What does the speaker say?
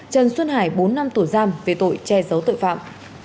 trần xuân hải bốn năm tù giam về tội che giấu tội phạm